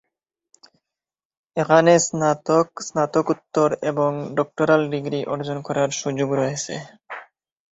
এখানে স্নাতক, স্নাতকোত্তর এবং ডক্টরাল ডিগ্রি অর্জন করার সুযোগ রয়েছে।